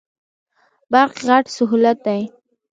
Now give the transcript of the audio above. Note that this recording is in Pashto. برق غټ سهولت دی.